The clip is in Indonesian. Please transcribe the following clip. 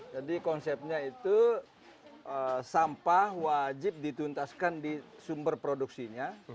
jadi konsepnya itu sampah wajib dituntaskan di sumber produksinya